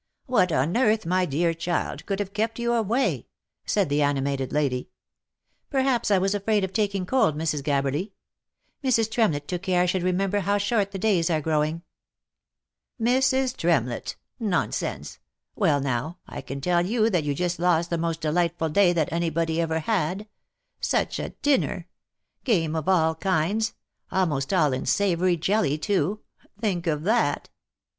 " What on earth, my dear child, could have kept you away V said the animated lady. " Perhaps I was afraid of taking cold, Mrs, Gabberly. Mrs. Trem lett took care I should remember how short the days are growing." " Mrs. Tremlett !— Nonsense !— Well now, I can tell you thatyou just lost the most delightful day that any body ever had. Such a dinner !— Game of all kinds — almost all in savoury jelly too ! Think of that !